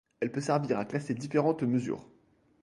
Elle peut servir à classer différentes mesures.